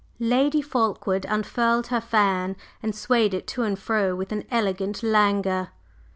Lady Fulkeward unfurled her fan and swayed it to and fro with an elegant languor.